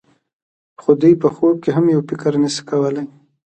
خو دوی په خوب کې هم یو فکر نشي کولای.